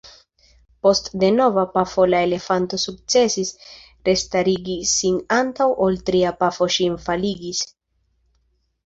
Post denova pafo la elefanto sukcesis restarigi sin antaŭ ol tria pafo ĝin faligis.